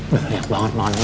udah banyak banget makanannya